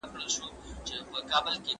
ولي عربي الفبې د پښتو لپاره پوره نه ده؟